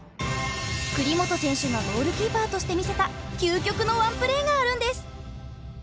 栗本選手がゴールキーパーとして見せた究極のワンプレーがあるんです。